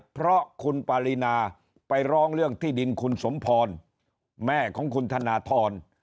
เพราะคุณปารีนาไปร้องเรื่องที่ดินคุณสมพรแม่ของคุณธนทร